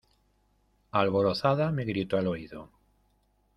alborozada me gritó al oído: